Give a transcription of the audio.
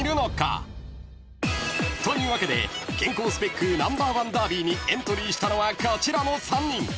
というわけで健康スペックＮｏ．１ダービーにエントリーしたのはこちらの３人］